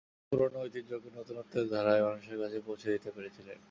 তিনি পুরোনো ঐতিহ্যকে নতুনত্বের ধারায় মানুষের কাছে পৌঁছে দিতে পেরেছিলেন।